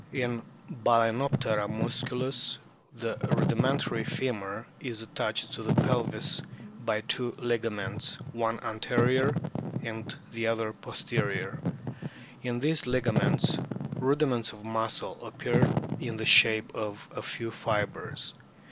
In Balanoptera muscuhis the rudimen tary femur is attached to the pelvis by two ligaments, one anterior, and the other posterior. In these liga ments rudiments of muscle appear in the shape of a few fibres.